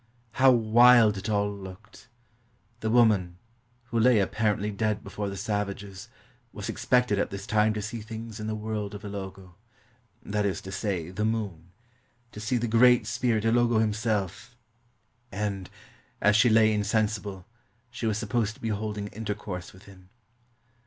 How wild it all looked ! The woman, who lay apparently dead before the savages, was expected at this time to see things in the world of Ilogo — that is to say, the moon — to see the great spirit Ilogo himself; and, as she lay insensible, she was supposed to be holding intercourse with him.